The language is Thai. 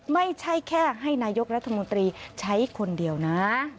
ไม่ใช่แค่ให้นายกรัฐมนตรีใช้คนเดียวนะ